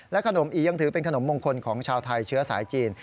ขนมอียังถือเป็นขนมมงคลของชาวไทยเชื้อสายจีน